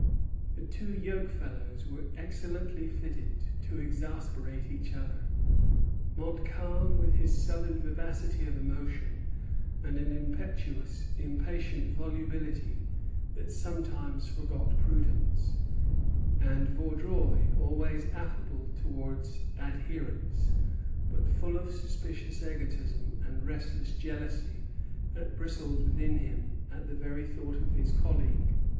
The two yokefellows were excellently fitted to exasperate each other: Montcalm, with his southern vivacity of emotion and an impetuous, impatient volubility that sometimes forgot prudence; and Vaudreuil, always affable towards adherents, but full of suspicious egotism and restless jealousy that bristled within him at the very thought of his colleague.